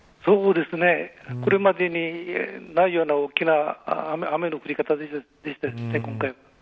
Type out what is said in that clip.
これまでにないような大きな雨の降り方でしたね